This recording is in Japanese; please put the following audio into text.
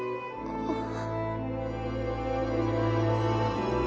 あっ。